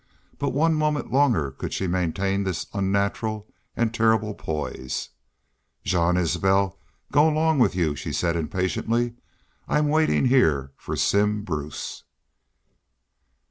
But one moment longer could she maintain this unnatural and terrible poise. "Jean Isbel go along with y'u," she said, impatiently. "I'm waiting heah for Simm Bruce!"